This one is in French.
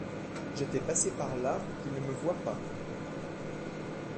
J’étais passé par là pour qu’il ne me voit pas.